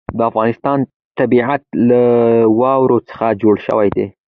د افغانستان طبیعت له واوره څخه جوړ شوی دی.